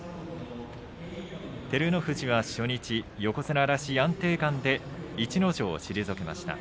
照ノ富士は初日横綱らしい安定感で逸ノ城を退けました。